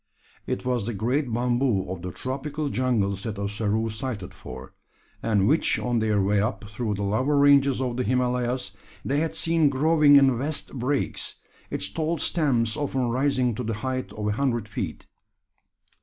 It was the great bamboo of the tropical jungles that Ossaroo sighed for; and which on their way up through the lower ranges of the Himalayas they had seen growing in vast brakes, its tall stems often rising to the height of a hundred feet.